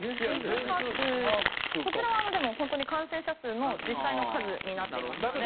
こちらは感染者数の実際の数になっていますが。